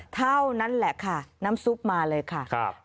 เท่านั้นแหละค่ะน้ำซุปมาเลยค่ะ